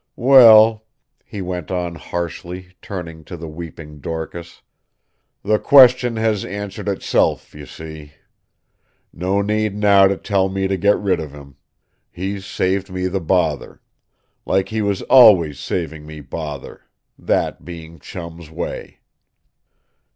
Well," he went on harshly, turning to the weeping Dorcas, "the question has answered itself, you see. No need now to tell me to get rid of him. He's saved me the bother. Like he was always saving me bother. That being Chum's way."